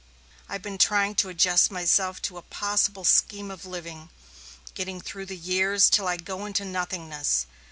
I've been trying to adjust myself to a possible scheme of living getting through the years till I go into nothingness.